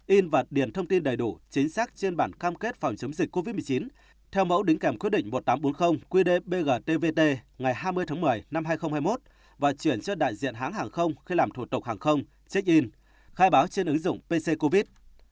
in và điền thông tin đầy đủ chính xác trên bản cam kết phòng chống dịch covid một mươi chín theo mẫu đính kèm quyết định một nghìn tám trăm bốn mươi qd bgtvt ngày hai mươi tháng một mươi năm hai nghìn hai mươi một và chuyển cho đại diện hãng hàng không khi làm thủ tục hàng không check in khai báo trên ứng dụng pc covid